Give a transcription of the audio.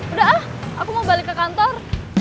udah ah aku mau balik ke kantor